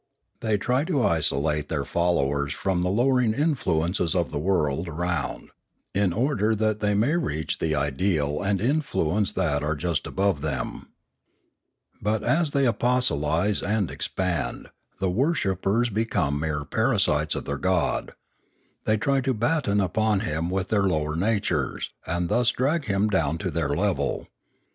They try to isolate their 624 Limanora followers from the lowering influences of the world around, in order that they may reach the ideal and influence that are just above them. But, as they apostolise and expand, the worshippers become mere parasites of their God; they try to batten upon Him with their lower natures, and thus drag Him down to their level.